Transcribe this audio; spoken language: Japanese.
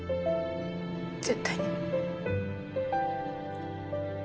絶対に。